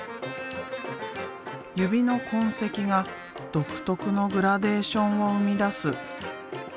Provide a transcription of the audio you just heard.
指の痕跡が独特のグラデーションを生み出す。